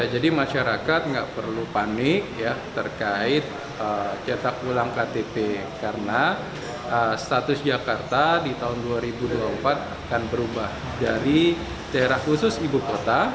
jadi masyarakat tidak perlu panik terkait cetak ulang ektp karena status jakarta di tahun dua ribu dua puluh empat akan berubah dari daerah khusus ibu kota